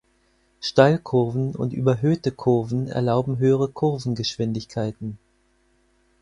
Steilkurven und überhöhte Kurven erlauben höhere Kurvengeschwindigkeiten.